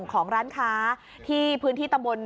กันไหม